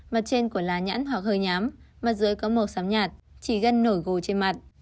mặt trên của lá nhãn hoặc hơi nhám mặt dưới có màu xám nhạt chỉ gây nổi gồi trên mặt